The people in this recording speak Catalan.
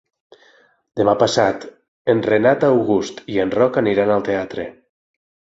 Demà passat en Renat August i en Roc aniran al teatre.